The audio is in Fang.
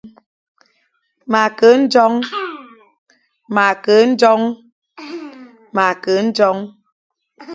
Ma ke ndjong.